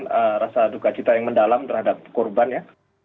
saya sampaikan rasa dukacita yang mendalam terhadap korban ya